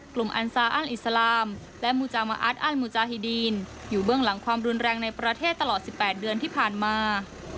อันซาอันอิสลามและมูจามาอัตอันมูจาฮิดีนอยู่เบื้องหลังความรุนแรงในประเทศตลอด๑๘เดือนที่ผ่านมา